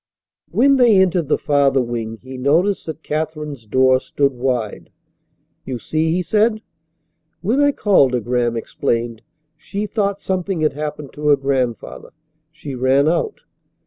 When they entered the farther wing he noticed that Katherine's door stood wide. "You see," he said. "When I called her," Graham explained, "she thought something had happened to her grandfather. She ran out."